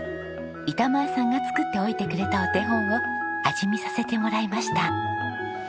板前さんが作っておいてくれたお手本を味見させてもらいました。